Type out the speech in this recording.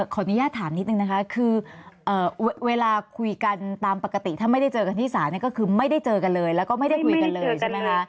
ขออนุญาตถามนิดนึงนะคะคือเวลาคุยกันตามปกติถ้าไม่ได้เจอกันที่ศาลก็คือไม่ได้เจอกันเลยแล้วก็ไม่ได้คุยกันเลยใช่ไหมคะ